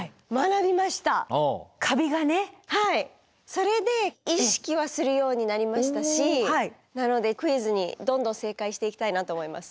それで意識はするようになりましたしなのでクイズにどんどん正解していきたいなと思います。